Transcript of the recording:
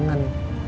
kamu pulang dulu ya